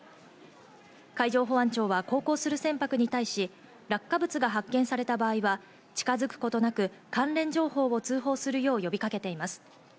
海上保安庁は航行する船舶に対し、落下物が発見された場合は、近づくことなく関連情報を通報するよう呼びかけています。